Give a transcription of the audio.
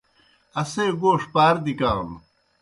اسے گوݜ پاردیْ کانوْ۔